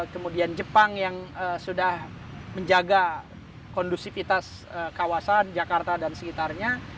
kemudian jepang yang sudah menjaga kondusivitas kawasan jakarta dan sekitarnya